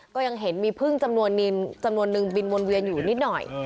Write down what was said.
ก็ยังเห็นมีพึ่งจำนวนจำนวนนึงบินวนเวียนอยู่นิดหน่อย